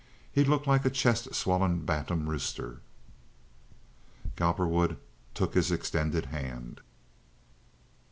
He looked like a chest swollen bantam rooster. Cowperwood took his extended hand.